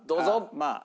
まあ。